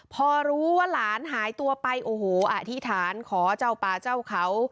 พอรู้ว่าหลานหายตัวไปโอ้โหอธิษฐานขอเจ้าป่าเจ้าเขา